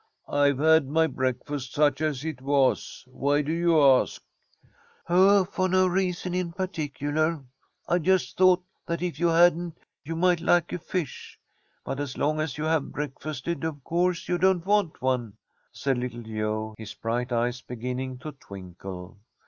"I've had my breakfast, such as it was. Why do you ask?" "Oh, for no reason in particular. I just thought that if you hadn't, you might like a fish. But as long as you have breakfasted, of course you don't want one," said Little Joe, his bright eyes beginning to twinkle.